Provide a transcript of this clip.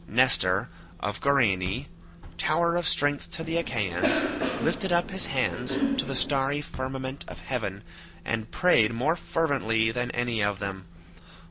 Nestor of Gerene, tower of strength to the Achaeans, lifted up his hands to the starry firmament of heaven, and prayed more fervently than any of them.